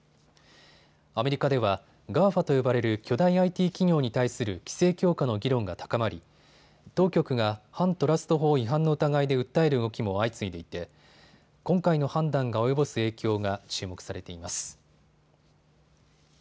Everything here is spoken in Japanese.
アメリカではＧＡＦＡと呼ばれる巨大ＩＴ企業に対する規制強化の議論が高まり当局が反トラスト法違反の疑いで訴える動きも相次いでいて今回の判断が及ぼす影響が注目されています。